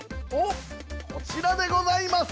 こちらでございます。